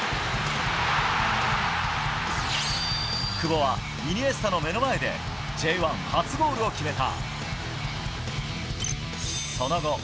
久保はイニエスタの目の前でＪ１初ゴールを決めた。